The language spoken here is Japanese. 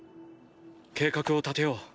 計画を立てよう。